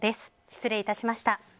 失礼いたしました。